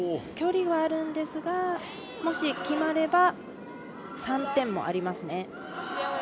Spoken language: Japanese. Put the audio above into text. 距離はあるんですがもし決まれば３点もありますね。